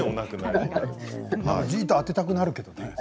じっと当てたくなるけどね。